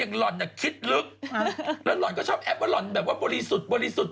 แล้วหลอนก็ชอบแอปว่าแบบว่าบริสุทธิ์